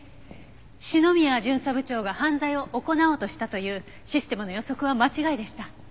篠宮巡査部長が犯罪を行おうとしたというシステムの予測は間違いでした。